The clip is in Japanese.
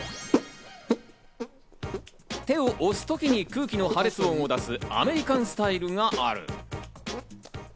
手を押す時に空気の破裂音を出す、アメリカンスタイルがある。